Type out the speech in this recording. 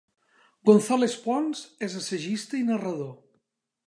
González Pons és assagista i narrador.